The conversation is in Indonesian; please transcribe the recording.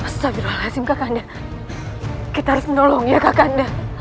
masjid al hasim kakak anda kita harus menolong ya kakak anda